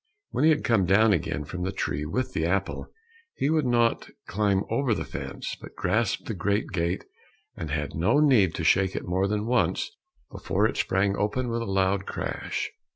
When he had come down again from the tree with the apple, he would not climb over the fence, but grasped the great gate, and had no need to shake it more than once before it sprang open with a loud crash.